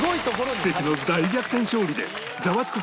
奇跡の大逆転勝利でザワつく！